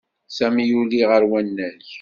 Sami yuli ɣer wannag.